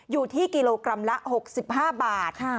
อยู่ที่กิโลกรัมละ๖๕บาท